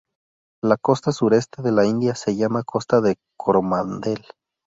La costa sureste de la India se llama costa de Coromandel.